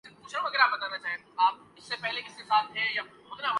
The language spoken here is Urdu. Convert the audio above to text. کیونکہ جو ہپناٹزم کے ہر ہیں